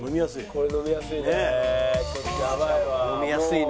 これ飲みやすいね。